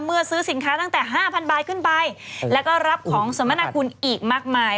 ซื้อสินค้าตั้งแต่๕๐๐ใบขึ้นไปแล้วก็รับของสมนาคุณอีกมากมาย